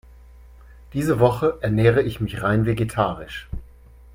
Diese Woche ernähre ich mich rein vegetarisch.